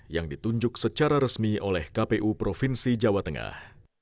yang ditunjuk secara resmi oleh kpu provinsi jawa tengah